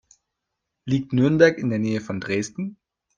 Liegt Nürnberg in der Nähe von Dresden?